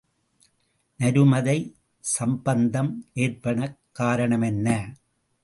நருமதை சம்பந்தம் ஏற்படக் காரணமென்ன?